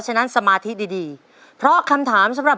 พอเชิญน้องเฟย์มาต่อชีวิตเป็นคนต่อไปครับ